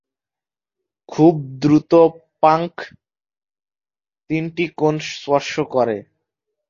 খুব দ্রুত পাংক তিনটি কোণ স্পর্শ করে।